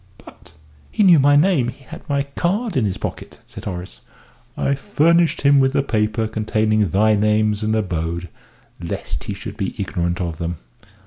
"But he knew my name he had my card in his pocket," said Horace. "I furnished him with the paper containing thy names and abode, lest he should be ignorant of them."